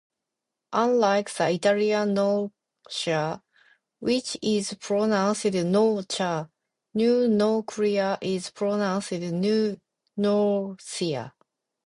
Unlike the Italian Norcia, which is pronounced "nor-cha", New Norcia is pronounced "new nor-sia".